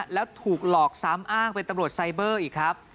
แล้วถูกหลอกซ้ำอ้างเป็นตำรวจไซเบอร์อีกครับ